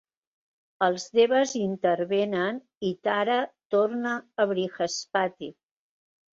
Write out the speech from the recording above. Els Devas intervenen i Tara torna a Brihaspati.